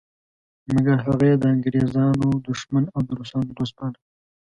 مګر هغه یې د انګریزانو دښمن او د روسانو دوست باله.